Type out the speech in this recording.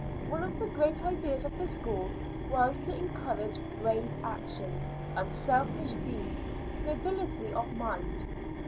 One of the great ideas of the school was to encourage brave actions, unselfish deeds, nobility of mind.